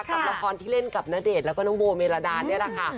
กับละครที่เล่นกับณเดชน์แล้วก็น้องโบเมลาดานี่แหละค่ะ